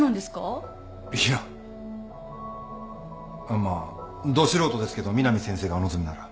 あっまあど素人ですけど美南先生がお望みなら。